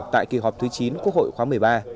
tại kỳ họp thứ chín quốc hội khóa một mươi ba